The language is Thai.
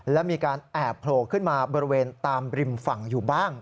และมีการแอบโผล่ขึ้นมาบริเวณตามริมฝั่งอยู่บ้าง